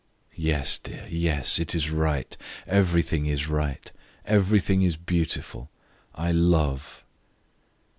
"Yes, dear, yes, it is right; everything is right, everything is beautiful. I love!"